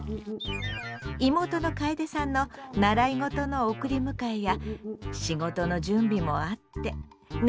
妹のかえでさんの習い事の送り迎えや仕事の準備もあってね